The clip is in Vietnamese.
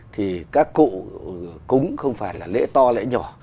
thì các cụ cúng không phải là lễ to lễ nhỏ